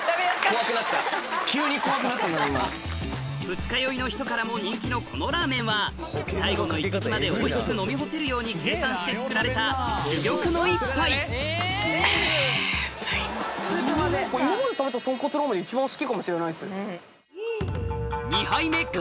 二日酔いの人からも人気のこのラーメンは最後の一滴までおいしく飲み干せるように計算して作られたあぁうまい。が登場続いてはしょうゆ好き。